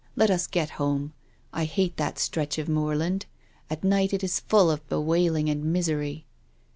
Let us get home. I hate that stretch of moorland. At night it is full of bewailing and misery."